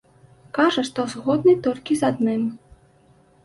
Кажа, што згодны толькі з адным.